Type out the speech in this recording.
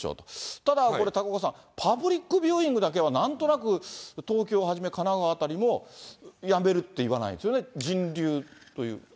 ただこれ、高岡さん、パブリックビューイングだけはなんとなく、東京をはじめ、神奈川あたりも、やめるって言わないですよね、人流という。